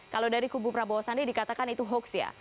kalau dari kubu prabowo sandi dikatakan itu hoax ya